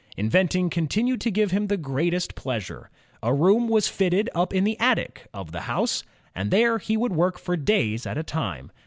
Inventing continued to give him the greatest pleasure. A room was fitted up in the attic of the house, and there he would work for days at a time.